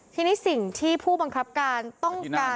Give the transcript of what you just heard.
ทีนี้สิ่งที่ผู้บังคับการต้องการ